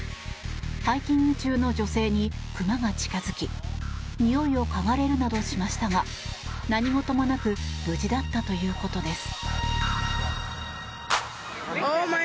ハイキング中の女性にクマが近づきにおいをかがれるなどしましたが何事もなく無事だったということです。